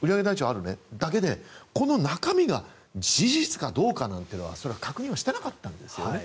あるねだけでこの中身が事実かどうかなんていうのはそれは確認はしてなかったんですよね。